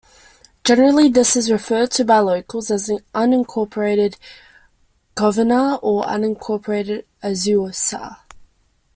Generally, this is referred to by locals as "unincorporated Covina" or "unincorporated Azusa".